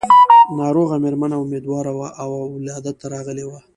ناروغه مېرمنه اميدواره وه او ولادت ته راغلې وه.